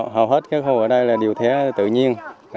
hầu hết các hồ ở đây là điều thế tự nhiên